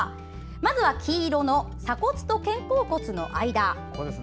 まずは黄色の鎖骨と肩甲骨の間。